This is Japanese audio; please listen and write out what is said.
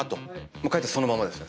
帰ってそのままですね。